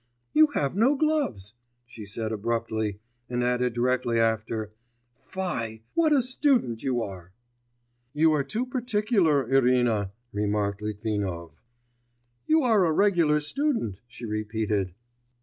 'You have no gloves,' she said abruptly, and added directly after: 'Fie! what a student you are!' 'You are too particular, Irina,' remarked Litvinov. 'You are a regular student,' she repeated.